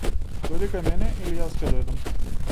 Дојди кај мене или јас ќе дојдам.